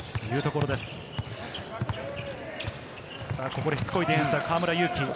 ここで、しつこいディフェンス、河村勇輝。